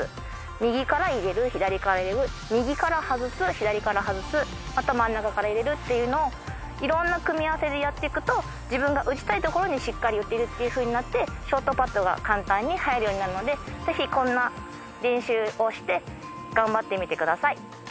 右から入れる左から入れる右から外す左から外すまた真ん中から入れるっていうのをいろんな組み合わせでやっていくと自分が打ちたいところにしっかり打てるっていうふうになってショートパットが簡単に入るようになるのでぜひこんな練習をして頑張ってみてください。